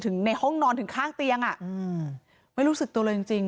ถึงในห้องนอนถึงข้างเตียงไม่รู้สึกตัวเลยจริง